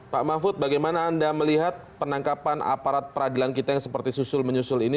pak mahfud bagaimana anda melihat penangkapan aparat peradilan kita yang seperti susul menyusul ini